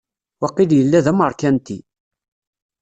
Waqil yella d ameṛkanti.